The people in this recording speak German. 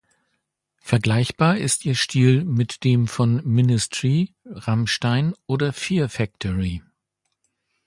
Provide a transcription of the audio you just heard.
Vergleichbar ist ihr Stil mit dem von Ministry, Rammstein oder Fear Factory.